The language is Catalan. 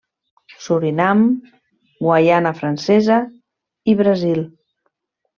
Surinam, Guaiana Francesa i Brasil.